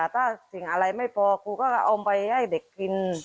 ถ้าสิ่งอะไรไม่พอครูก็เอาไปให้เด็กกิน